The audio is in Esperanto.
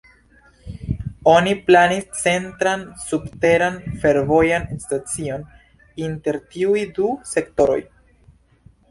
Oni planis centran subteran fervojan stacion inter tiuj du sektoroj.